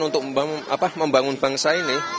untuk membangun bangsa ini